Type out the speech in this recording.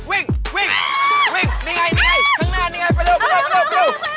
วิ่งเดี๋ยวไงข้างหน้านไปเร็วไปเร็วก้าว